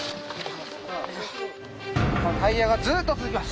タイヤがずーっと続きます。